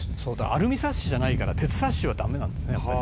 アルミサッシじゃないから鉄サッシはダメなんですねやっぱり。